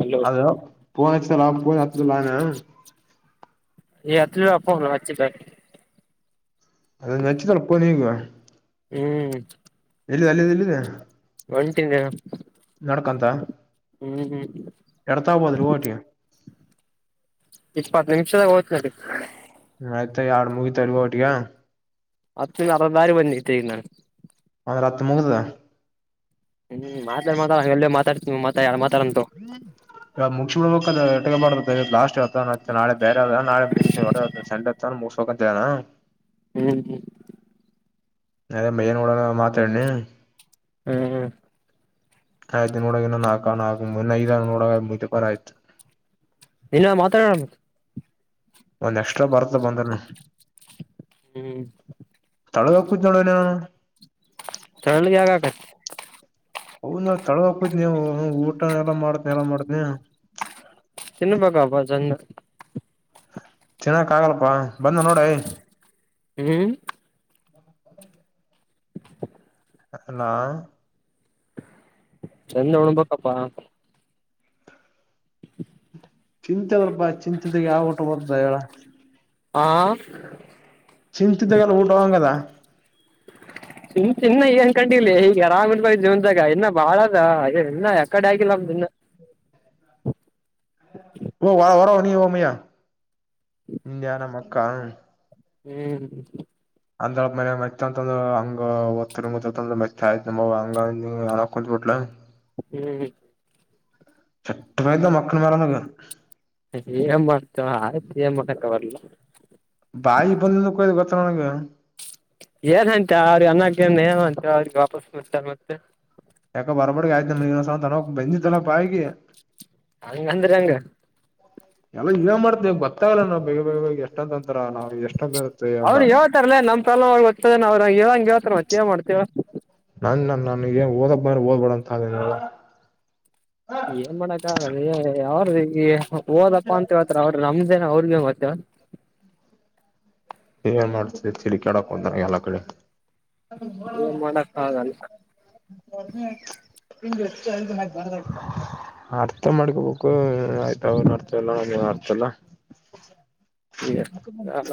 Hello [unintelligible] ಅದಚಿ ತಳಪನ್ನುವ ಹ್ಮ್ ಇಲ್ವ ಅಲ್ಲಿ ಇಲ್ವ ಒಂಟಿಂದ ನಡ್ಕಂತ ಎಡ್ತಾ ಹಬೋದ್ರಿ ಓಟಿ ಇಪ್ಪತ್ತು ನಿಮಿಷದಾಗ ಹೋತ ನಡಿ ಆಯ್ತ ಯಾರ ಮೂವಿ ತರವ ಟಗಾ ಹತ್ತು ಅರದರ ಮಂದಿತ ಒಂದಹತ್ ಮುಗ್ದ ಹ್ಮ್ ಮಾತಾಡ್ ಮತಾ ಹಂಗಗೆಲ್ಲೇ ಮಾತಾಡ್ ಮುಚ ಲಾಸ್ಟ್ ನಾಳೆ ಬೇರೆದ ನಾಳ ಮು ಹತ್ತ ಮುಗಕಂತ ಹ್ಮ್ ಹ್ಮ ಅದೇ ಮೈಯ ನೋಡೋಣ ಮಾತಾಡನ ಹ್ಮ್ ಹ್ಮ್ ಆಯ್ತು ನೋಡ ಇನ್ನು ನಾಲ್ಕು ನಾಲ್ಕು ಮು ಐದ ನೋಡ ಮು ಬರ ಆಯ್ತು ಇನ್ ಮಾತಾಡಬೇಕು ಒಂದ್ ಎಕ್ಸ್ಟ್ರ ಬರ್ತ ಬ ಹ್ಮ್ ತಳ ಹಕ್ಕೂ ನೋಡುವ ನ ಚಳಗೆ ಆಗಾಗಕ ಹೌದ ತಳ ಹಕದ್ ನೀವು ಊಟ ಎಲ್ಲ ಮಾಡತನಿ ಎಲ್ಲಾ ಮಾಡತನಿ ತಿನ್ನ ಬಾಗಬ ಚಂದ ಚೆನ್ನಕ್ ಆಗಲ್ಪ ಬಂದ ನೋಡ [inaudible] ಹ್ಮ್ ಅಲ್ಲಾ ಚಂದ ಉಣಬೇಕಪ್ಪಾ ಚಿಂತೆದ್ರ ಬಾ ಚಿಂತೆದಾಗ ಯಾವ ಊಟ ಬದ ಹೇಳ ಆ ಚಿಂತಿದ್ದಾಗಲ್ಲ ಊಟ ಹಂಗದ ಚ ಚಿನ್ನ ಈಏನ್ ಕಂಡಿಲ್ಲ ಈಗ ಆರಾಮನ್ ಬ ಜೀವನ್ದಾಗ ಇನ್ನ ಬಾಳ ಅದ ಯಕಡೆ ಆಗಿಲ್ಲಾಮ ನಿನ್ನ ವರ ನೀ ಮ ಇಂಡಿಯನ ಮಕ್ಕಾ ಹ್ಮ್ ಅಂದಳ ಮೇಲೆ ಮೆಚ್ಚ ಅಂತಂದ್ರ ಹಂಗ ಒತ್ತರಿಂಗಂದ ಮೆಚ್ಚ ಆಯ್ತ್ ನ ಹಂಗ ಅಣ ಕುತ್ಬಿಟ್ಲ ಹ್ಮ್ ಚಟ್ಟ ಬ್ದ ಮಕ್ಕಳ ಮೇಲೆ ಏನ್ ಮಾಡ್ತ ಆಯ್ತ ಏನ್ ಮಾಡಾಕ್ಕ ಬರ್ಲ್ಲ ಎತ್ತಣಗೆ ಹ ಅಂತಿಗೆ ವಾಪಸ್ ಮಾಡ್ತಾರೆ ಮತ್ತೆ ಯಾಕ ಬರಬಡ ಆಯ್ತ ನನ ಬೆಂದಿಲ ಪಾಯಿ ಹಂಗ ಅಂದ್ರ ಹಂಗ ಎಲ್ಲ ಈಗ ಮಾಡ್ ಗತ್ತಾಗಲ್ಲ ನಾವು ಬೇಗ ಬೇಗ ಬ ಎಷ್ಟ ಅಂತ ಅವರು ಹೇಳ್ತಾರಲ್ಲೇ ನಮ್ ಪ್ರಲ ಗದ್ತದ ಅವ್ರ ಹೇಳಂಗ ಹೇಳ್ತಾರ ಮತ್ತೇ ಮಾಡ್ತೇವ ನನ್ ನನ್ ನನ್ಗನ್ ಓದಕ್ ಮ ಓದ್ಬೇಡಂತ ಅನ ಏನ್ ಮಾಡಕ್ ಆಗಲ್ ಅವ್ರ ಓದಪ್ಪಾ ಅಂತ ಹೇಳತ್ರ ಅವ್ರಿ ನಮ ಅನ ಅವ್ರಿಗೆ ಮತೇವ ಏ ಮಾಡ್ತಿದೆ ಚಿಡಿಕಾಡಕ್ ಹಂತಾರ ಎಲ್ಲಾ ಕಡೆ ಹ ತಿ ಏನ್ ಮಾಡಕ್ ಆಗಲ್ಲ ಬಾರ ಆಯ್ತ ಅರ್ಥ ಮಾಡ್ಕೋಬೇಕು ಆಯ್ತ ಅವನು ಅರ್ಥ ಎಲ್ಲ ಅರ್ಥ ಅಲ್ಲ ಈಗ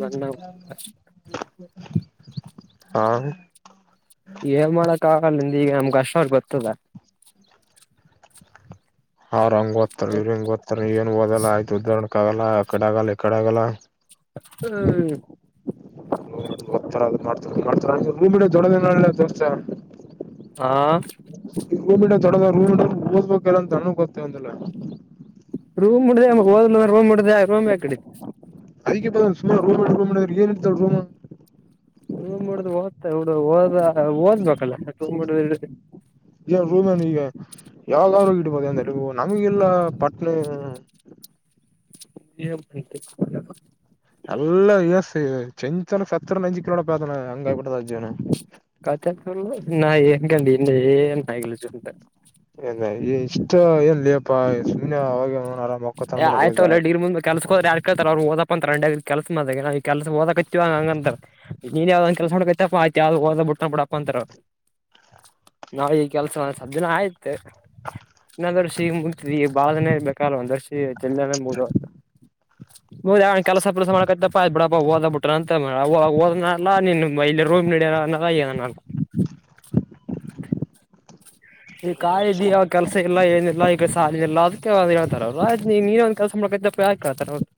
ಬ ಹಾ ಏನ್ ಮಾಡಕ್ ಆಗಲ್ಿಂದ ಈಗ ನಮ್ಗ ಅಷ್ಟವ್ರ ಗೊತ್ತದ ಅವ್ರ ಹಂಗ ಓತ್ತತಾರ ಇವ್ರ ಹಂಗ ದತ್ತತಾರ ಏನ್ ಓದಲ್ಲಾ ಆಯ್ು ಉದಹರಣಣಕ್ ಆಗಲ್ಲ ಆಕಡೆ ಆಗಲ್ಲ ಈಕಡೆ ಆಗಲ್ಲ ಹ್ಮ್ ಒತರದು ಮಾಡ್ತ ಮಾಡ್ತೂಮಿ ದೊಡದ ದೋರ್ಸ ಆಾ ರೂಮಿರ್ ದೊಡ್ಡದ ರೂ್ ಇರ್ ಓದ್ಬೇಕಲ್ಲ ಅ ಅನ ಗೊತ್ತೆ ಒಂದಲ್ಲ ರೂಮ್ ಉಡ್ದೆಮಗ್ ಹೋದ್ ರೂಮ್ಡ್ದ ರೂಮ್ ಯ ಕಡತಿ ಅದಕ್ಕೆಪ್ಪ ಸುಮಾರ ರೂಮ್ ರೂಮ್ ಏನ್ ಇಡ್ತ ರೂಮ್ ಹೂ್ಬಡುದು್ ಓದ್ತಾ ಹಡ ಓದ ಓದ್ಬೇಕಲ್ಲ ತೂ್ಡ್ಡ ಏ ರೂಮೇನ್ ಈಗ ಯಾವ್ದ್ರ ಇಡ್ಬೋುದು ಅಂತ ಹೇಳ ನಮಗೆ ಲ್ಲ ಪಟ್ನಿ ಹಿಡ್ದ ಎಲ್ಲ ಇಸ್ ಚಂಚನ ಸತ್ತರು ನೆಂಜ ಕಲೋಡ ಪ್ರತನೆ ಹಂಗಾಯ್ಬಿಟ್ಟದ ಜನ ಕತ ನ ಏನ್ಕಿ ಇನ್ನ ಏ ನ ಚೂ ಇಲ್ಲ ಈ ಇಷ್ಟ ಎನ್ಲ್ಲಿಪ್ಪ ಸುಮ್ನೆ ಅವಾಗ ಆರಾಮ ಏ ಆಯ್ತಲ್ಲ ಡಗ ಮುಂದ ಕೆಲ್ಸ ಹೋದ್ರ ಯಾ ಕತಾರ ಅವರು ದಪ್ಪ ಅಂತ ಕೆಲ್ಸ ಮಾಡದ ನ ಈ ಕೆಲ್ಸ ಓದಕ ಹಚ್ಚವ ಹಂಗ ಅಂತರ್ ನೀನ್ ಯಾವ್ದ ಕೆಸ ಮಾಡಕತಪ್ಪಯ ಯ್ಓದ ಬಿುಟ್ಟ ಬಿಡಪ್ಪ ಅ ರ ಹ ನಾವ್ ಈ ಕೆಲ್ಸ ಸ ಜಿನ ಆಯ್ತು ಮತ್ತೆ ಇನ್ನೊಂದರ್ಷ ಈಗ ಮುಂತಿದ ಈ ಬಳನೇ ಬೇಕಲ್ಲ ಒಂದರ್ಸ ಎದುಯದ ಕೆಲಸ ಕೆಲಸ ಮಾಡ್ಕತಪ್ಪ ಬಿಡ ಹೋದ ಬಿಟ್ರ ಅಂತಲ್ಲಲ್ಲಿ ರೂಮ್ ಅನ್ನಲ್ಲ ಈ ಕಾಯಿದ ಕೆಲಸ ಇಲ್ಲ ಏನಿಲ್ಲ ಈಗ ಸಾಲ ಇಿಲ್ಲ ಅದಕ್ಕೆ ಒಂದ ಹೇತಾರ ಅವ್ ನೀ ನೀನು ಒಂದ್ ಕೆಲಸ ಮಾಡ್ಕಪ್ಪ ಯಾಕೆ ಕಥೌದು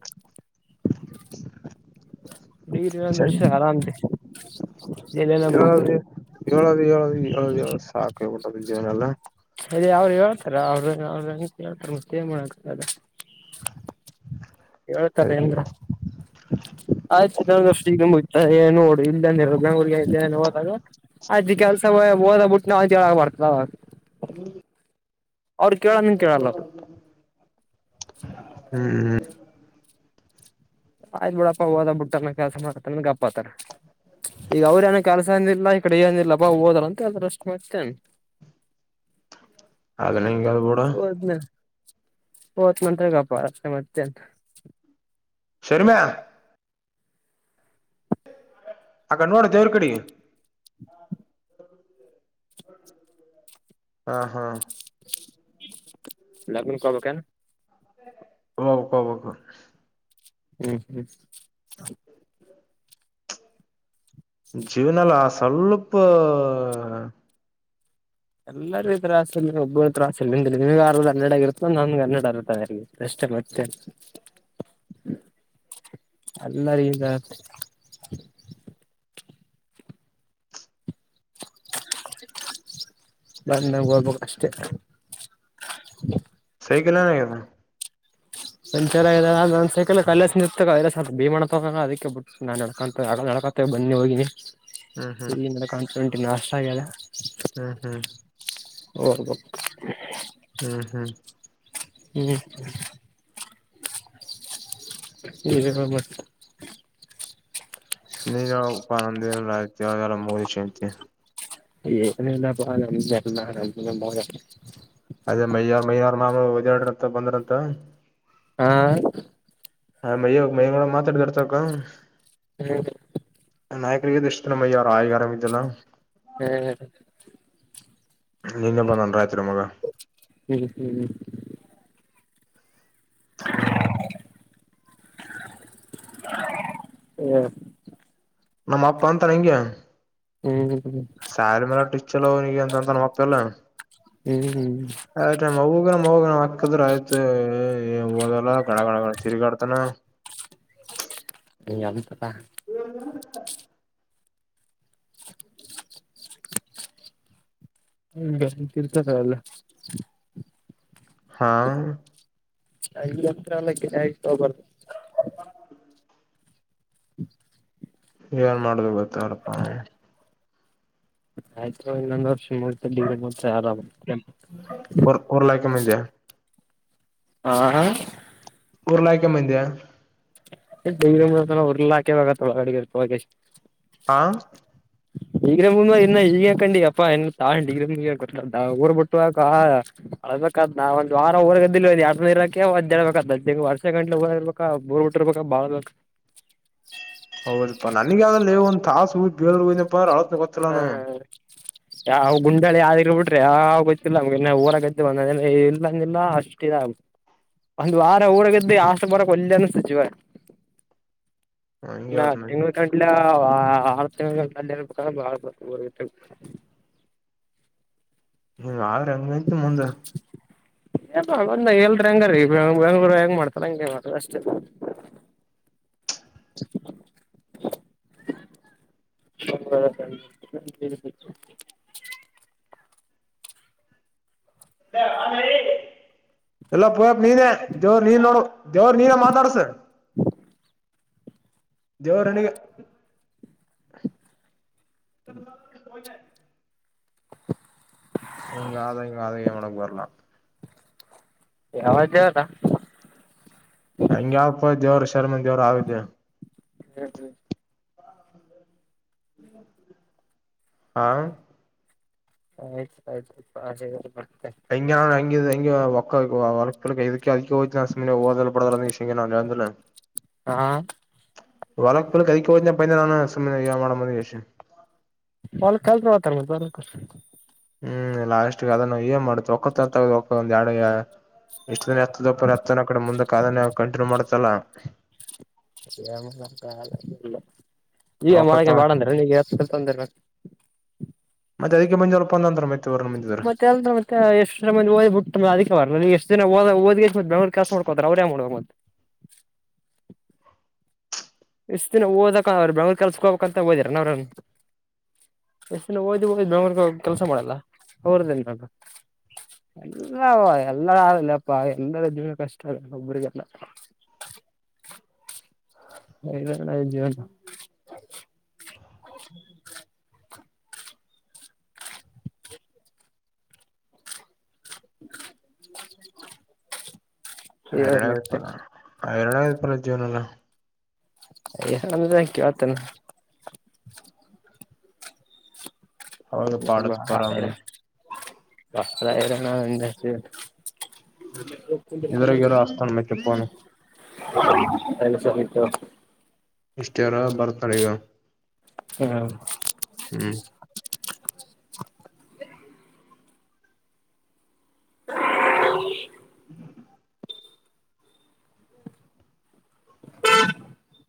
ಡರಿಿನರ್ಷ ಆರಾಮ್ದ ಹೇಳಏಳ ್ ಸಾಕೇಬಿಟ್ಟದ ಜವನಲ್ಲ ಅೇ ಅವ್ರು ಹೇಳ್ತಾರ ಅವ್ರು ಅವ ಹೇಳ್ತಾರ ಮತ್ತೆ ಮಾಡತ ಹಾಗದು ಆ್ ಚ್ತ ಏನು ನೋಡು ಇಲ್ಲ ನಿರ್ದ ಹುಗ ಇಲ್ಲ ಏ ಹೋದಾಗ ಅ್ ಕಾಲ ಸಮಯ ಹೋದ ಬಿಟ್ಟು ನಾವಂತೇಳ ಆಬಾರತಲ್ಲ ಕೇಳಲ್ಲ ಅವ್ರು ಹ ಹ್ಮ್ ಆಯ್ತ್ು ಬಿಡಪ್ಪಾ ಹೋದ ಬ ಬಿಟ್ಟನ ಕೆಲಸ ಮಾಡ್ಕತಂದ ಗಪ್ಾತ್ತಾರ ಈಗ ಅವ್ರ ಏನೋ ಕೆಲಸ ಅಂದಿಲ್ಲ ಈ ಕಡೆ ಏನಿಲ್ಲಾ ಬಾ ಓದಾರ ಅಂತ ಎಲ್ಲ ಅಷ್ಟು ಮಾಡ್ತೇನೆ ಹಾಗದುನ ಕಲ್ಬಡ ತ್ ಮಂತ್ ಗಪಾರ ಮತ್ತೆ ಶರ್ಮ್ಯಾ ಅ ಕ ನೋಡ ದೇವರ್ ಕಡೆ ಹಾ ಹಾ ಲಗ್ನ್ ಕಬೇಕನ್ ಹಕಬಬೇಕ ಹ್ಮ್ ಹ್ಮ್. ಜೀವನಲಾ ಸ್ವಲ್ಪ. ಎಲ್ಲರಿಗು ತ್ರಾಸ ಇಲ್ಲ ಒಬ್ಬರು ತತ್ರಾಸ ಇಲ್ಲಂದ್ರೆ ನಿನಗ ಹರದ ಹನ್ಯಾಡ್ ಆಗಿರುತ್ತ ನನ್ಗೆ ಹರದ ಹಾನ್ಯಾಡ್ ಆಗಿರ್ತೇತಿ ಅಷ್ಟೆ. ಮತ್ತೇನ. [inaudible] ಅಲ್ಲಾ ರೀ ಇದ. ನ ನಗ ಹೋಗ್ಬೇಕ ಅಷ್ಟೆ. ಸೈಕಲಾನದ. ಸಂಚಂದ ಸೈಕಲ್ ಕಲ ನಿತ ಭೀಮ ಅದಕ್ಕೆ ಬಿಟ್ಟ ನಾ ನಕಂತ. ಪಾತ್ರೆ ಬನ್ನಿ ಹೋಗಿನಿ ಹ್ಮ್ ಹ್ಮ್ ಇಲ್ಲಿಂದನ ಕಾನ್ಫಿಡೆಂಟ್ ಇನ್ನು ಅಷ್ಟ ಆಗ್ಯದೆ. ಹ್ಮ್ ಹ್ಮ್. [inaudible] ಹ್ಮ್ ಹ್ಮ್. ಹ್ಮ್. ನೀವೇ ಹೇಳಬೇಕ. ನೀ ನ ಪಂದಿನಲ್ಲ ಹಂಗ ಅಂದ್ರ ಚೇಂತ. ಏನಿಲ್ಲಾ. [inaudible] ಅದೇ ಮೈಯಾರ್ ಮೈಯಾರ ಮಾಮ ಒದಡಂತ ಬಂದ್ರಂತ. ಹಾ. ಹ ಮೈಯ ಮೈಯಡ ಮಾತಾಡ್ತಾರ್ತಕ್ಕ. ಹ್ಮ. ನಾಯಕರಿಗೆಗ ಇಷ್ಟತನಮ್ಮ ಯಾರ ಆಗಾರಾಮ ಇದ್ದಲ್ಲ. ಏಯ್. ನಿನ್ನೆ ಬಂದ ಒಂದ ಆಯ್ತ. ಹ್ಮ್ ಹ್ಮ್ ಹ್ಮ್. [inaudible] ಹ್ಮ. ನಮ್ಮ ಅಪ್ಪ ಅಂತಾಳೆ ಇಂಗೆ. ಹ್ಮ್. ಸ್ಯಾರಿ ಮಲೆಟ ಚೊಲೋ ಅವನಿಗೆ ಅಂತ ಅಂತಾನ ನಮ್ಮಪೆಲ್ಲ. ಹ್ಮ್ ಹ್ಮ್. ಹೋಗಣ ನಮ್ಮ ಹಾಕದ್ರ ಆಯ್ತ ಓದಲ್ಲ ಗಣ ಗಣ ಗಣ ತೀರ್ಗ್ಯಾಡ್ತನ. ಎಂತದ. [inaudible] [inaudible] ಹ್ಮ್ ಬ್ಯಾಸಿಗ್ ಕಿರ್ಚದ ಅಲ್ಲೆ. ಹಾ. ಈ ಒತ್ರಲ್ಲ ಕೆ ತ ಬ್ರಾದ. ಹ. [inaudible] [inaudible] ಏನ್ ಮಾಡುದು ಗೊತ್ತಲಪ್ಪ. ಆಯ್ತ್ ತೊಗೊ ಇನ್ನೊಂದ್ ವರ್ಷ ಮೂತ ಡಿಗ್ರಿ ಮುಗೀತ ಆರಾಮ. ಒ ರ್ ಲಾಯಕಮ್ಮಿಂದ. ಹಾ. ಓರ್ಲಾಕ್ಯ ಮಂದ್ಯ. [inaudible] ಹಾಕೆವಾಗತ್ತ ಒಳಗ ಅಡಗೆ ಇರ್ತ. [inaudible] ಹಾ. ಈಗ್ರ ಮು ಇನ್ನ ಈಗ ಕಂಡಿ ಅಪ್ಪಾ ನ್ ತಾಳ ಡಿಗ್ರಿ ಮುಗ್ಯಕ್ ತಾಳ ಊರ್ ಬಿಟ್ಟುಕ. ಅಳ್ಬೇಕಾದ್ ನಾ ಒಂದ ವಾರ ಊರಗದ ಎ ಇಕೆ ಒದ್ಡ್ಬೇಕ ವರ್ಷ ಗಂಟ ಊರ್ಬೇಕ. ಟ್ಟಿರ್ಬೇಕ ಬಾಳ್ಬಕ್. [unintelligible] ಹೌದಪ್ಪಾ ನನಗ ಅದಲ್ಲ ಒಂದ್ ತಾಸ ಹದ್ ಬಲ್ ನಪ್ಪಳತ್ ಹಾ ಗೊತ್ತಲ್ಲಾನ ಯಾವ ಗುಂಡಾಳಿ ಯಾವಿ ಬಿಟ್ರೆ ಯಾವ ಗೊತ್ತಿಲ್ಲ ನಮಗ ಊರ ಗದ್ದು ಬಂದ ಇಲ್ಲಂದಿಲ್ಲ ಅಷ್ಟುಿದ ಒಂದು ವಾರ ಊರಗದ್ದು ಆಷ್ಟ ಬರಕ್ ಒಲ್ಲ ಅನ್ತ ಜಿವ ಹಂಗೆ ಇನ್ನ ಆತ್ ತಿಂಗಳ ಕಂಡಲೆ ಬ ಹ ಅವ್ರಂಗಂತ ಮುಂದ ಎಲ್ಲ ಒಂದ ಎಲ್ರ ಹೆಂಗರೀ ಬೆಂಗ್ಳೂರು ಹೆಂಗ್ ಮಾಡ್ತಾರ ಹಂಗಗೆ ಮಾಡ್ತ ಅಷ್ಟೆ [unintelligible] ಹ ನ [unintelligible] ಎಲ್ಲ ಪಯ ನೀನೇ ದೇವ್ರ ನೀನ್ ನೋಡು ದೇವ್ರ ನೀನ ಮಾತಾಡ್ಸರ್ ಜೋರಣಿ ಹ [unintelligible] ಹೆಂಗ ಆದ ಇಂಗ ಆದಿಗೆ ಅವನಕ್ಕೆ ಬರಲಾ ಯಾವಾಗಾವದ ಶರ್ಮಂದ ದವರ ಆದ ಹಾ ಆಯ್ತು ಆಯ್ತು ಭಯ ಒ ವರ್ ಇದಕ್ಕೆ ಅಕ ನ ಸುಲ ಪಡದಲ್ಲಿ ನಾ ನಂದಿಲ್ಲ ಹಾ ವಳಕ್ ಪಲ್ ಕದಕ್ಕೆ ಹೋ ಪ ನಾನು ಸುಮ್ಮ ಮಾಡ ಯಷನೆ ಒಲ್ ಕಲ್ಸ ಹತಾರೆ ಬರ ಹ್ಮಸ್ ಅದನ್ನ ಏನ್ ಮಾಡುತ್ತ ಒಕ್ಕ ತಗ ಒಂದ ಎರಡು ಎಷ್ಟ ಹ ಹತ್ತದ ಹತ್ತನ ಕಡೆ ಮುಂದಕ್ಕೆ ಆದ ಕಂಟಿನ್ಯೂ ಮಾಡ್ತಲ್ಲ ಅ ನ ಕಾಲ ಈಗ ಒಕ್ಕತ್ತ ಮಾಡಳಗ ಮಾಡಂದ್ರ ನೀ ತೊಂದ್ರ ಮತ್ತೆ ಅದಕ್ಕೆ ಮಂ ಒಂದಂತ ಮತ್ತೆ ಇವ್ರನ್ನ ಬಂದಿದ್ರು ಮತ್ತೆ ಅಲ್ ಮತ್ತೆ ಎಷ್ಟು ಜನ ಮಂದಿ ಓದ್ಬ ಬಿಟ್ಟಂದ್ರೆ ಅದಕ್ಕೆ ಬರಲ್ಲ ನೀ ಎಷ್ಟು ಓದ ಬೆಂಗಳೂರು ಕೆಲಸ ಮಾಡ್ಕೋ ಅವ್ರೇ ಮಾಡ ಮತ್ತ ಎಷ್ಟು ದಿನ ಓದಕ ಅವ್ರರು ಬೆಂಗಳೂರು ಕೆಲ್ಸ ಹೋಗಬೇಕಕ್ಂತ ಓದಿರ ನ ಅವ್ರ ಎಷ್ಟಿನ ಓದ್ ಓದ್ ಬೆರಗ ಕೆಲಸ ಮಾಡಲ್ಲ ಅವ್ರದ್ದನ್ ಮಾಡ್ಬೇಕು ಎಲ್ಲ ಎಲ್ಲಾರ ಆಗಲ್ಲಪ್ಪ ಎಲ್ಲರ ಜೀವ ಕಷ್ಟ ಆಗಲ್ಲ ಒಬ್ರರಿಗೆಲ್ಲ [unintelligible] ನ ಜೀವನ್ [unintelligible] ಆನರ ಮತ್ತೆ ರೂಪಲ್ಲ ಆರಣಾಯರ ರೂಪಲ್ಲ ಜೀವನಲ್ಲ ಅಯ್ಯ ಅಂದಕ ಮತ್ತನಾ ಅವಾಗ ಪಾಡತ್ ಪರಾಮ [unintelligible] ಪ್ರರ ನ ಎಂದ ಎದುರಗೆರೋ ಆಸ್ನ ಮ ತಪ್ಪನು ಎಲ್ಲ ಸಿತು ಇಷ್ಟ ಯಾರ ಬರ್ತಾಳ ಈಗ ಹ್ಮ ಹ್ಮ್ [unintelligible]